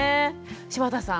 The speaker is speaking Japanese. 柴田さん